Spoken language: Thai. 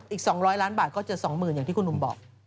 อีก๒๐๐ล้านบาทก็จะ๒๐๐๐อย่างที่คุณหนุ่มบอก